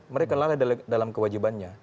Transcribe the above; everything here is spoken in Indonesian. mereka lalai dalam kewajibannya